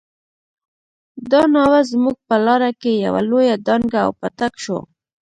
دا ناوه زموږ په لاره کې يوه لويه ډانګه او پټک شو.